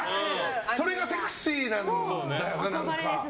それがセクシーなんだよな何か。